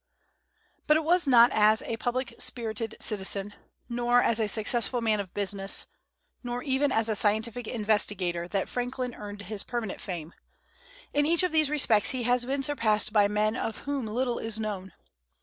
But it was not as a public spirited citizen, nor as a successful man of business, nor even as a scientific investigator, that Franklin earned his permanent fame. In each of these respects he has been surpassed by men of whom little is known.